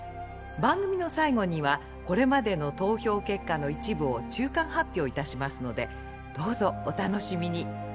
番組の最後にはこれまでの投票結果の一部を中間発表いたしますのでどうぞお楽しみに。